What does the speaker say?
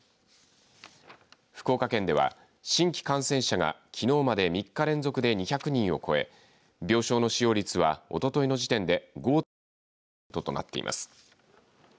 福岡県では新規感染者がきのうまで３日連続で２００人を超え病床の使用率はおとといの時点で５．９パーセントとなっています。